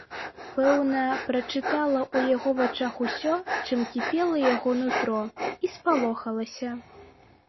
Пэўна, прачытала ў яго вачах усё, чым кіпела яго нутро, і спалохалася.